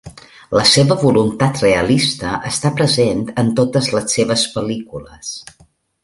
La seva voluntat realista està present en totes les seves pel·lícules.